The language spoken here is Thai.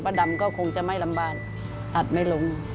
ดำก็คงจะไม่ลำบากตัดไม่ลง